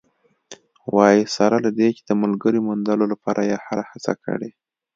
وايي، سره له دې چې د ملګرې موندلو لپاره یې هره هڅه کړې